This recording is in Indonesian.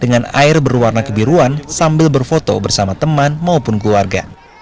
dengan air berwarna kebiruan sambil berfoto bersama teman maupun keluarga